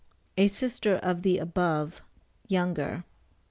A sister of the above, younger 10.